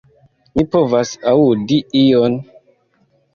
Mi povas aŭdi ion...